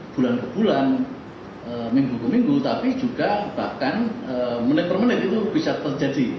bulan ke bulan minggu ke minggu tapi juga bahkan menit per menit itu bisa terjadi